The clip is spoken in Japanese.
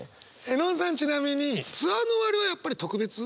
絵音さんちなみにツアーの終わりはやっぱり特別？